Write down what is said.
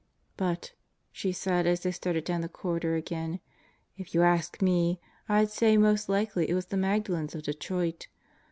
"But," she said as she started down the corridor again, "if you ask me, I'd say most likely it was the Magdalens of Detroit.